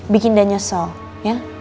bikin dia nyesel ya